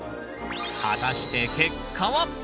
果たして結果は？